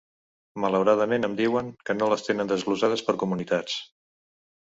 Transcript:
Malauradament, em diuen que no les tenen desglossades per comunitats.